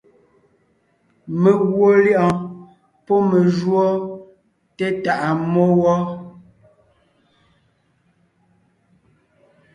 Meguɔ lyɛ̌ʼɔɔn pɔ́ me júɔ té tàʼa mmó wɔ.